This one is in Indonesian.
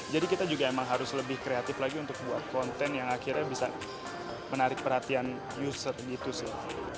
jadi kita juga memang harus lebih kreatif lagi untuk buat konten yang akhirnya bisa menarik perhatian user gitu sih